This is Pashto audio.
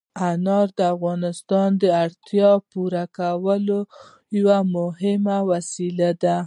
انار د افغانانو د اړتیاوو د پوره کولو یوه مهمه وسیله ده.